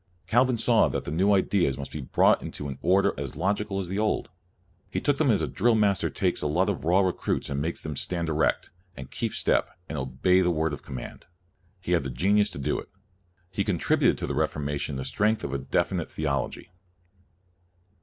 Calvin saw that the new ideas must be brought into an order as logical as the old. He took them as a drill master takes a lot of raw recruits and makes them stand erect, and keep step, and obey the word of command. He had the genius to do it. He contributed to the Reformation the strength of a definite theology.